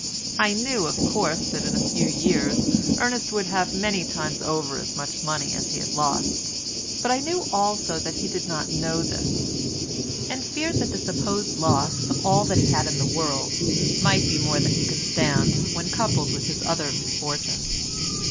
I knew, of course, that in a few years Ernest would have many times over as much money as he had lost, but I knew also that he did not know this, and feared that the supposed loss of all he had in the world might be more than he could stand when coupled with his other misfortunes.